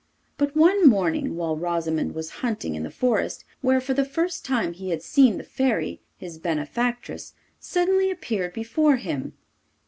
But one morning, while Rosimond was hunting in the forest where for the first time he had seen the Fairy, his benefactress suddenly appeared before him.